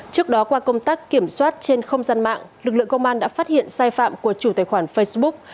trước đó qua công tác kiểm soát trên không gian mạng lực lượng công an đã phát hiện sai phạm của chủ tài khoản facebook